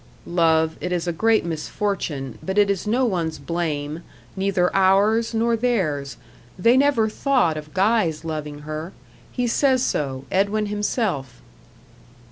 "Love, it is a great misfortune, but it is no one's blame neither ours, nor theirs they never thought of Guy's loving her. He says so Edwin himself."